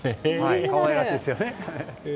可愛らしいですよね。